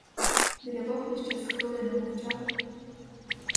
Біля вогнища з хвилину мовчали.